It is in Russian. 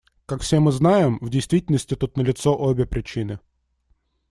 Как все мы знаем, в действительности тут налицо обе причины.